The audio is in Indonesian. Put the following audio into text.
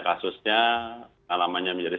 kasusnya alamanya menjadi